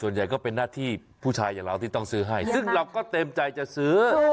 ก็เป็นหน้าที่ผู้ชายอย่างเราที่ต้องซื้อให้ซึ่งเราก็เต็มใจจะซื้อ